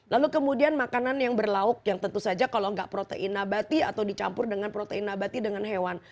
lalu kemudian makanan yang berlauk yang tentu saja kalau nggak protein nabati atau dicampur dengan protein abadi dengan hewan